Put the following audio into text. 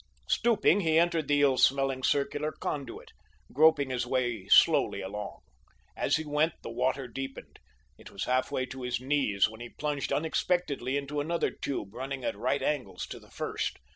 Stooping, he entered the ill smelling circular conduit, groping his way slowly along. As he went the water deepened. It was half way to his knees when he plunged unexpectedly into another tube running at right angles to the first.